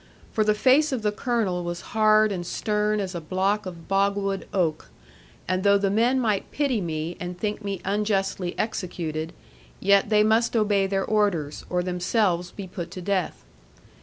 For the face of the Colonel was hard and stern as a block of bogwood oak; and though the men might pity me and think me unjustly executed, yet they must obey their orders, or themselves be put to death.